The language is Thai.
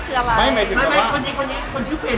ไปหามาเขาชื่อเฟรม